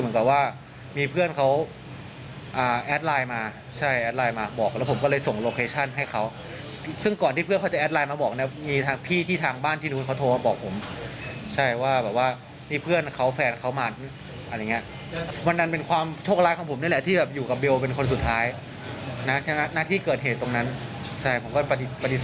เหมือนกับว่ามีเพื่อนเขาอ่าแอดไลน์มาใช่แอดไลน์มาบอกแล้วผมก็เลยส่งโลเคชั่นให้เขาซึ่งก่อนที่เพื่อนเขาจะแอดไลน์มาบอกเนี่ยมีทางพี่ที่ทางบ้านที่นู้นเขาโทรมาบอกผมใช่ว่าแบบว่ามีเพื่อนเขาแฟนเขามาอะไรอย่างเงี้ยวันนั้นเป็นความโชคร้ายของผมนี่แหละที่แบบอยู่กับเบลเป็นคนสุดท้ายนะใช่ไหมหน้าที่เกิดเหตุตรงนั้นใช่ผมก็ปฏิเส